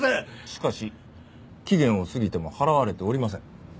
しかし期限を過ぎても払われておりません。